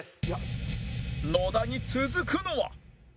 野田に続くのは